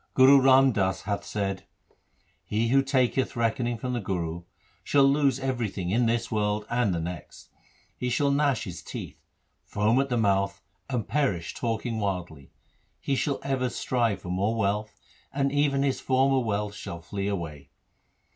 Guru Ram Das hath said :— He who taketh reckoning from the Guru, shall lose everything in this world and the next. He shall gnash his teeth, foam at the mouth, and perish talking wildly. He shall ever strive for more wealth, and even his former wealth shall flee away.